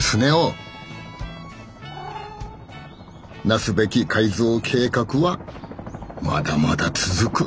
なすべき改造計画はまだまだ続く。